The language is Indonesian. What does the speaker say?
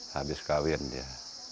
habis kawin dia